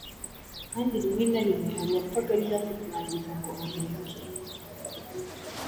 kandi rimwe na rimwe hari uwapfaga ari hafi kurangiza ngo ahembwe.